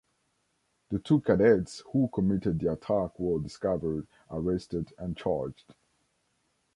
The two cadets who committed the attack were discovered, arrested and charged.